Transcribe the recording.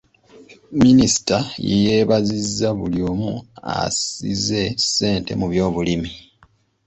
Minisita yeebazizza buli omu asize ssente mu by'obulimi.